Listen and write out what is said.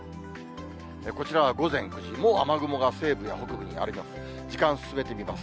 こちらは午前９時、もう雨雲が西部や北部にあります。